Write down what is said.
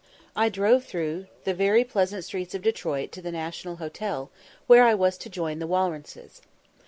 I drove through the very pleasant streets of Detroit to the National Hotel, where I was to join the Walrences.